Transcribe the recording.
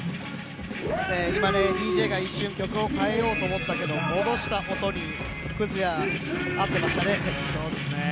今、ＤＪが一瞬曲を変えようと思ったけど戻した音にＫｕｚｙａ、合っていましたね。